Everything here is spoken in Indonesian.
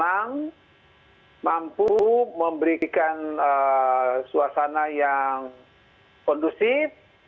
memang mampu memberikan suasana yang kondusif